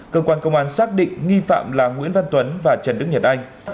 cơ quan công an xác định nghi phạm là nguyễn văn tuấn và trần đức nhật anh